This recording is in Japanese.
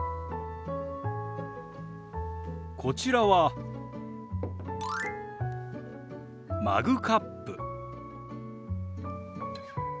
こちらはマグカップ。